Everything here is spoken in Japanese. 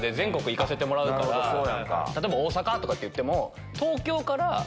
例えば大阪とかっていっても。